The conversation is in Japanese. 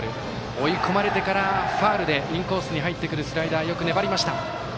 追い込まれてからファウルでインコースに入ってくるスライダーよく粘りました。